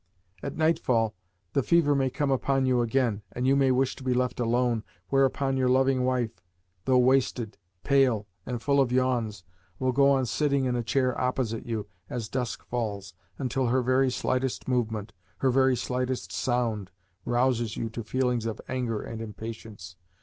At nightfall the fever may come upon you again, and you may wish to be left alone whereupon your loving wife, though wasted, pale, and full of yawns, will go on sitting in a chair opposite you, as dusk falls, until her very slightest movement, her very slightest sound, rouses you to feelings of anger and impatience.